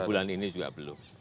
tiga bulan ini juga belum